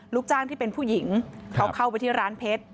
ลูกจ้างที่เป็นผู้หญิงเขาเข้าไปที่ร้านเพชร